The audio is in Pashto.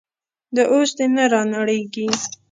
دا اوس دې نه رانړېږي.